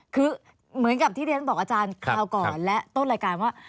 คือเหมือนกับที่เรียนบอกอาจารย์คราวก่อนและต้นรายการว่า